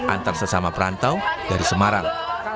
antar sesama perantau dari semarang